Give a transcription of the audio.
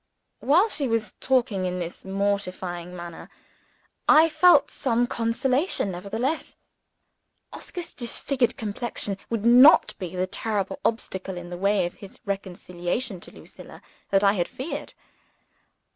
While she was talking in this mortifying manner, I felt some consolation nevertheless. Oscar's disfigured complexion would not be the terrible obstacle in the way of his restoration to Lucilla that I had feared.